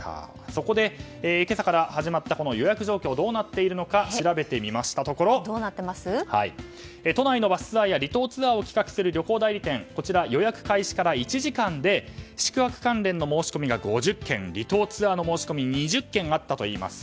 そこで今朝から始まった予約状況はどうなっているのか調べてみたところ都内のバスツアーや離島ツアーを企画する旅行代理店予約開始から１時間で宿泊関連の申し込みが５０件離島ツアーの申し込みが２０件あったといいます。